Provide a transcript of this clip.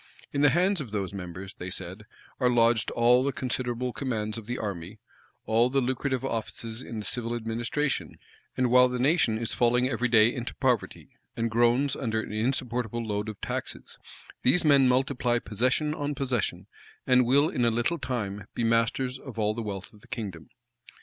In the hands of those members, they said, are lodged all the considerable commands of the army, all the lucrative offices in the civil administration: and while the nation is falling every day into poverty, and groans under an insupportable load of taxes, these men multiply possession on possession, and will in a little time be masters of all the wealth of the kingdom.